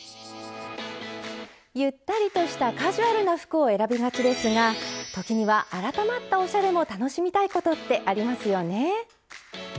ゆったりとしたカジュアルな服を選びがちですが時には改まったおしゃれも楽しみたいことってありますよね。